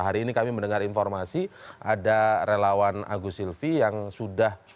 hari ini kami mendengar informasi ada relawan agus silvi yang sudah